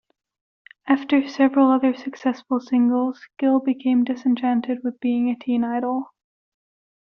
After several other successful singles, Gil became disenchanted with being a teen idol.